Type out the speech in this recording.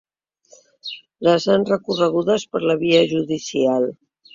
Les han recorregudes per la via judicial.